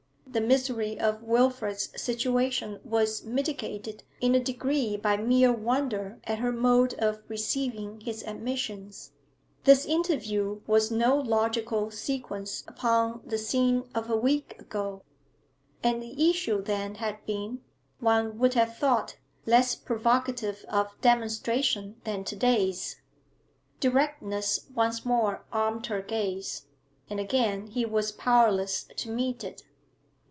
The misery of Wilfrid's situation was mitigated in a degree by mere wonder at her mode of receiving his admissions. This interview was no logical sequence upon the scene of a week ago; and the issue then had been, one would have thought, less provocative of demonstration than to day's. Directness once more armed her gaze, and again he was powerless to meet it.